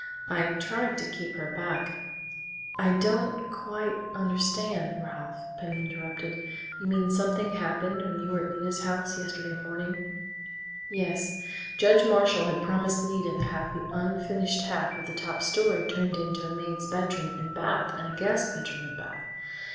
I tried to keep her back ." "I don't quite understand, Ralph," Penny interrupted. "You mean something happened when you were at Nita's house yesterday morning?" "Yes. Judge Marshall had promised Nita to have the unfinished half of the top story turned into a maid's bedroom and bath and a guest bedroom and bath.